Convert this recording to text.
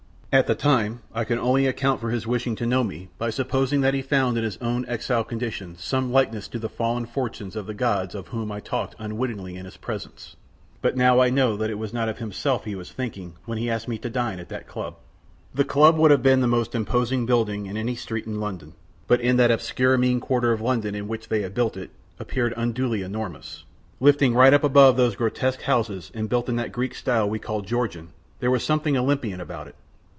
At the time I could only account for his wishing to know me by supposing that he found in his own exiled condition some likeness to the fallen fortunes of the gods of whom I talked unwitting of his presence; but now I know that it was not of himself he was thinking when he asked me to dine at that club. The club would have been the most imposing building in any street in London, but in that obscure mean quarter of London in which they had built it it appeared unduly enormous. Lifting right up above those grotesque houses and built in that Greek style that we call Georgian, there was something Olympian about it.